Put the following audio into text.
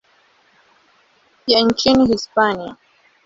ya nchini Hispania.